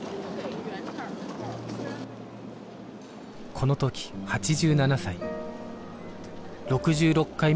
このとき８７歳